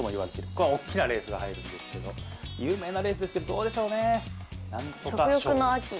ここはおっきなレースが入るんですけど有名なレースですけどどうでしょうね